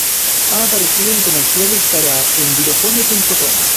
Ha aparecido en comerciales para Envirofone.com.